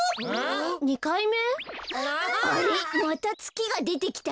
あれっまたつきがでてきたよ。